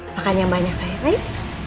makan yang banyak sayang